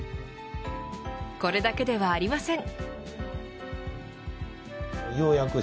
これだけではありません。